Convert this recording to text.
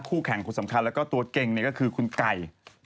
คู่แข่งคนสำคัญแล้วก็ตัวเก่งก็คือคุณไก่